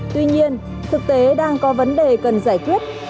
tuy nhiên thực tế đang có vấn đề cần giải quyết